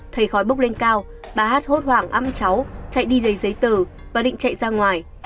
thấy khói bốc lên cao bà hát hốt hoảng ăn cháu chạy đi lấy giấy tờ và định chạy ra ngoài